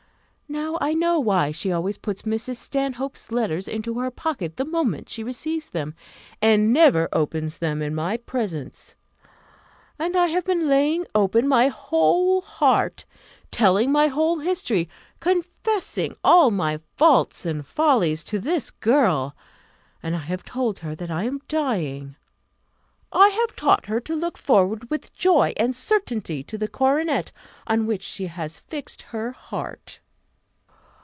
Now I know why she always puts Mrs. Stanhope's letters into her pocket the moment she receives them, and never opens them in my presence. And I have been laying open my whole heart, telling my whole history, confessing all my faults and follies, to this girl! And I have told her that I am dying! I have taught her to look forward with joy and certainty to the coronet, on which she has fixed her heart.